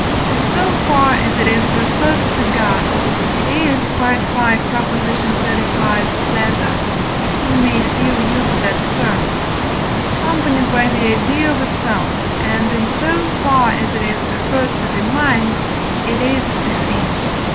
In so far as it is referred to God, it is (V. xxxv.) pleasure, if we may still use that term, accompanied by the idea of itself, and, in so far as it is referred to the mind, it is the same (V.